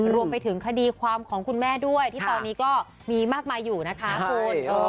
รวมไปถึงคดีความของคุณแม่ด้วยที่ตอนนี้ก็มีมากมายอยู่นะคะคุณ